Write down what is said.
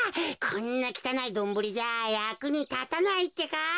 こんなきたないドンブリじゃやくにたたないってか。